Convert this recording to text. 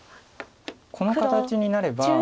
この形になれば。